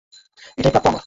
এটাই প্রাপ্য আমার।